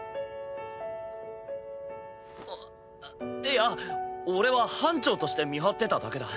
いいや俺は班長として見張ってただけだ。